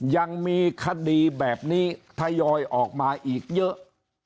ยังมีคดีแบบนี้ทยอยออกมาอีกเยอะ